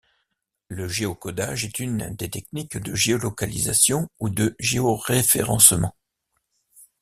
Le géocodage est une des techniques de géolocalisation ou de géoréferencement.